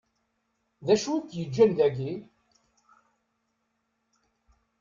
D acu i k-yeǧǧan dagi?